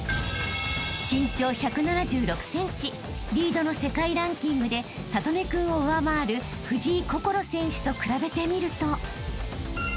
［身長１７６ｃｍリードの世界ランキングで智音君を上回る藤井快選手と比べてみると］